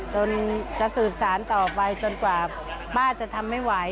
จนจะสืบสารต่อไปจนกว่าป้าจะทำไม่ไหว